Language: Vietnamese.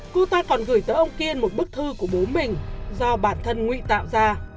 cô ta còn gửi tới ông kiên một bức thư của bố mình do bản thân nguy tạo ra